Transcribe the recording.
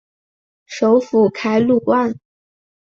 首府凯鲁万。